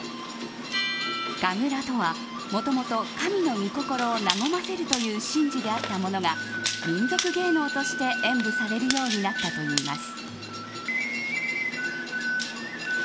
神楽はもともと神の御心を和ませるという神事であったものが民俗芸能として演舞されるようになったといいます。